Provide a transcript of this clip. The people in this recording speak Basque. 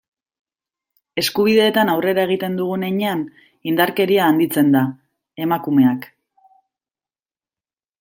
Eskubideetan aurrera egiten dugun heinean, indarkeria handitzen da, emakumeak.